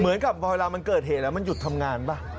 เหมือนกับพอเวลามันเกิดเหตุแล้วมันหยุดทำงานป่ะ